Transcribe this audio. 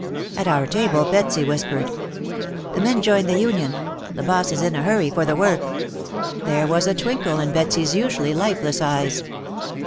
At our table Betsy whispered : "The men joined the union. The boss is in a hurry for the work." There was a twinkle in Betsy's usually lifeless eyes.